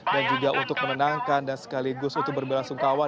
dan juga untuk menenangkan dan sekaligus untuk berbelasungkawan